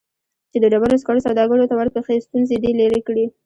چې د ډبرو سکرو سوداګرو ته ورپېښې ستونزې دې لیرې کړي